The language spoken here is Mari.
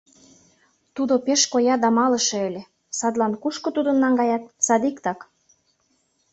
Тудо пеш коя да малыше ыле, садлан кушко тудым наҥгаят — садиктак.